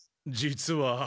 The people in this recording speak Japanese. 実は。